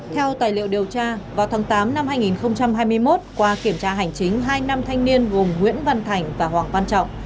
theo tài liệu điều tra vào tháng tám năm hai nghìn hai mươi một qua kiểm tra hành chính hai nam thanh niên gồm nguyễn văn thành và hoàng văn trọng